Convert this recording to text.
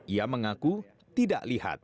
ia mengaku tidak lihat